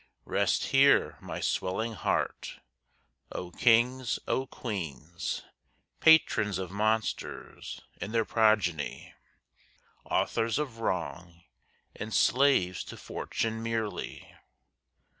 Rest here, my swelling heart! O kings, O queens, Patrons of monsters, and their progeny, Authors of wrong, and slaves to fortune merely!